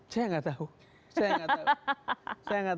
saya tidak tahu saya tidak tahu